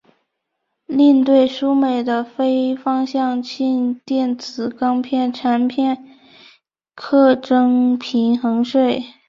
另对输美的非方向性电磁钢片产品课征平衡税。